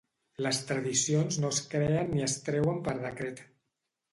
Les tradicions no es creen ni es treuen per decret.